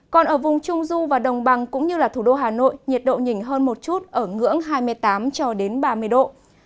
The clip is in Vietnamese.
còn ở vùng trung du và đồng bằng cũng như thủ đô hà nội nhiệt độ nhỉnh hơn một chút ở ngưỡng hai mươi tám cho đến ba mươi độ